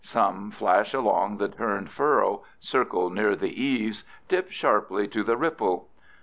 Some flash along the turned furrow, circle near the eaves, dip sharply to the ripple.